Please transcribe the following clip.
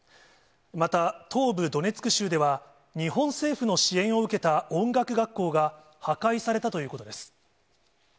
また、東部ドネツク州では、日本政府の支援を受けた音楽学校が破壊されたということです。